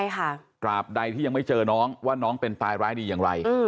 ใช่ค่ะตราบใดที่ยังไม่เจอน้องว่าน้องเป็นตายร้ายดีอย่างไร